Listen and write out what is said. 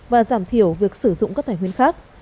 và giảm thiểu việc sử dụng các tài nguyên khác